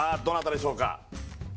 どなたでしょうか？